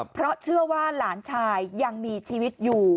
เพราะเชื่อว่าหลานชายยังมีชีวิตอยู่